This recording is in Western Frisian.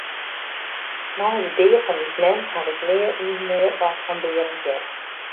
Nei de dea fan ús mem haw ik nea mear wat fan Berend heard.